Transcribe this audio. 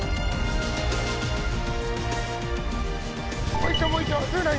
もう一投もう一投。